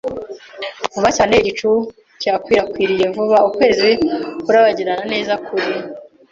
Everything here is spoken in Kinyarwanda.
vuba cyane. Igicu cyakwirakwiriye vuba; ukwezi kurabagirana neza kuri